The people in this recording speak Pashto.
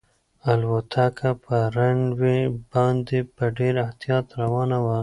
الوتکه په رن وې باندې په ډېر احتیاط روانه وه.